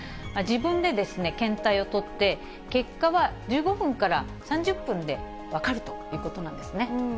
自分で検体を採って、結果は１５分から３０分で分かるということなんですね。